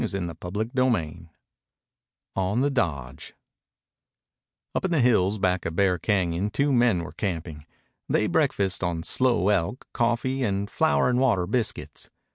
CHAPTER XXXIII ON THE DODGE Up in the hills back of Bear Cañon two men were camping. They breakfasted on slow elk, coffee, and flour and water biscuits.